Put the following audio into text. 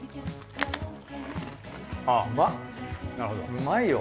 うまいよ。